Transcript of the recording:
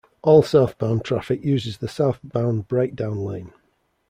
All southbound traffic uses the southbound breakdown lane.